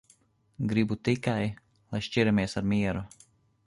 Gribu tikai, lai šķiramies ar mieru.